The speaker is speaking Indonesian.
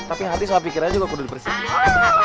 tapi hati suami pikirannya juga harus dibersihin